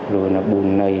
rồi là bùn lầy